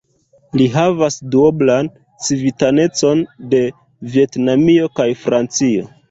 Li havas duoblan civitanecon de Vjetnamio kaj Francio.